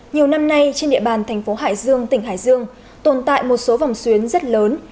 nhiều năm nay trên địa bàn thành phố hải dương tỉnh hải dương tồn tại một số vòng xuyến rất lớn